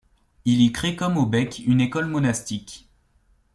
Il y crée comme au Bec une école monastique.